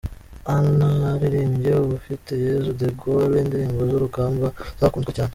Hanaririmbye Ufiteyezu De Gaulle indirimbo z’urugamba zakunzwe cyane.